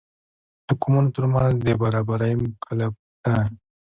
د قومونو تر منځ د برابرۍ مکلف دی.